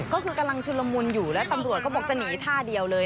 ก็คือกำลังชุนละมุนอยู่แล้วตำรวจก็บอกจะหนีท่าเดียวเลย